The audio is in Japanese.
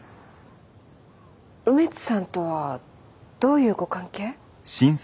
梅津さんとはどういうご関係？